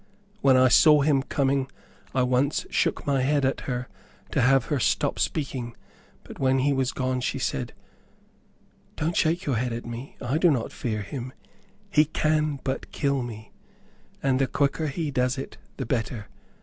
When I saw him coming, I once shook my head at her, to have her stop speaking; but when he was gone, she said, "Don't shake your head at me; I do not fear him. He can but kill me, and the quicker he does it the better.